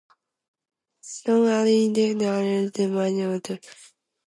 Non-aligned airlines maneuvered to form their own partnerships.